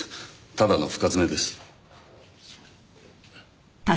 ただの深爪です。